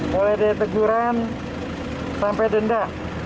mulai dari teguran sampai denda